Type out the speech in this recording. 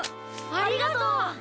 ありがとう！